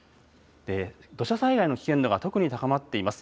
土砂災害の危険度が特に高まっています。